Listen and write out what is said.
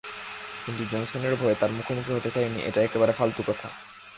কিন্তু জনসনের ভয়ে তার মুখোমুখি হতে চাইনি এটা একেবারে ফালতু কথা।